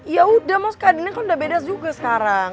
ya udah mas keadilan kan udah beda juga sekarang